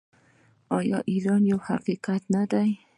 آیا ایران یو حقیقت نه دی؟